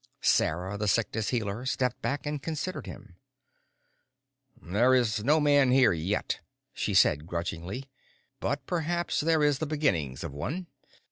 Sarah the Sickness Healer stepped back and considered him. "There is no man here yet," she said grudgingly. "But perhaps there is the beginnings of one."